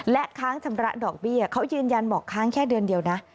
และค้างชำระดอกเบี้ยเขายืนยันบอกค้างแค่เดือนเดียวนะ